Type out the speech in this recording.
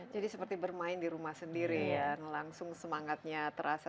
jadi seperti bermain di rumah sendiri langsung semangatnya terasa